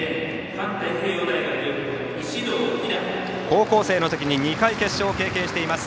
高校生のときに２回、決勝を経験しています。